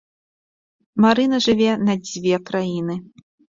Марына жыве на дзве краіны.